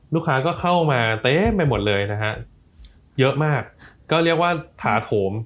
ลูกค้าก็เข้ามาเต็มไปหมดเลยนะฮะเยอะมากก็เรียกว่าถาโถม